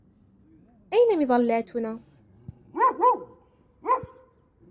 أين مظلاتنا ؟